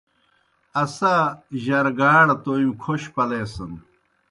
اسا جرگاڑ تومیْ کھوش پلیسَن۔